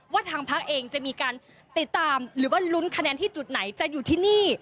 ทางพักเองจะมีการติดตามหรือว่าลุ้นคะแนนที่จุดไหนจะอยู่ที่นี่